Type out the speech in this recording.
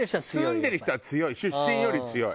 住んでる人は強い出身より強い。